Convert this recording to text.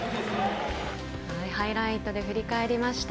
ハイライトで振り返りました。